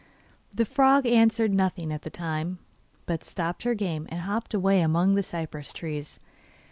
The frog answered nothing at the time, but stopped her game and hopped away among the cypress trees.